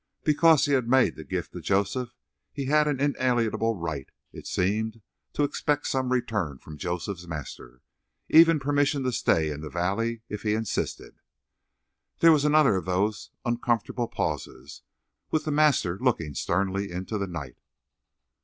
Because he had made the gift to Joseph he had an inalienable right, it seemed, to expect some return from Joseph's master even permission to stay in the valley, if he insisted. There was another of those uncomfortable pauses, with the master looking sternly into the night.